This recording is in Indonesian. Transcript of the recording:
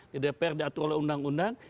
di dpr diatur oleh undang undang